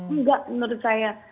enggak menurut saya